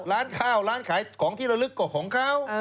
ร้านข้าวร้านขายของที่ระลึกก็ของเขา